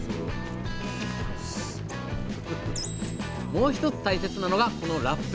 もう一つ大切なのがこのラップ。